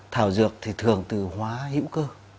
thảo dược thì thường từ hóa hữu cơ